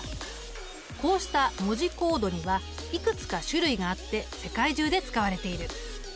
こうした文字コードにはいくつか種類があって世界中で使われている。